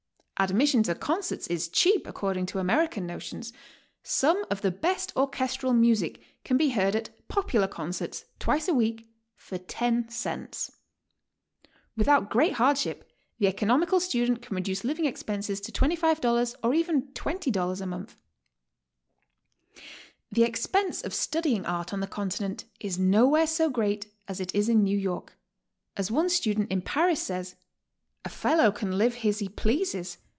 Adm'ission to concerts is cheap according to American notions; some of the best orchestral music can be heard at "popular con certs" twice a week for 10 cents. Without great hardship the economical student can reduce living expenses to $25 or even $20 a month. The expense of studying art on the Continent is no where so great as it is in New York. As one student in Paris says: "A fellow can live as he pleases.